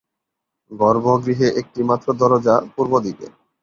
গর্ভগৃহে একটি মাত্র দরজা, পূর্ব দিকে।